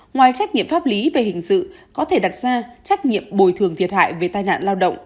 ngoài trách nhiệm pháp lý về hình sự có thể đặt ra trách nhiệm bồi thường thiệt hại về tai nạn lao động